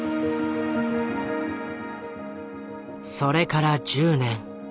それから１０年。